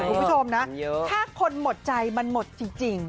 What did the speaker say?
คุณผู้ชมนะถ้าคนหมดใจมันหมดจริง